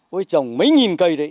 với chồng mấy nghìn cây đấy